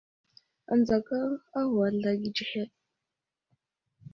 Adzakaŋ a ghwazl age tsəhəd.